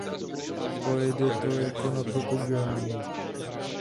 Pojede to jako na tobogánu.